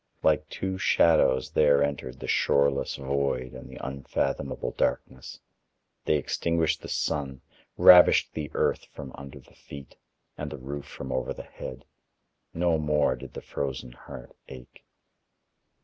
Like two shadows there entered the shoreless void and the unfathomable darkness; they extinguished the sun, ravished the earth from under the feet, and the roof from over the head. No more did the frozen heart ache.